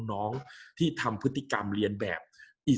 กับการสตรีมเมอร์หรือการทำอะไรอย่างเงี้ย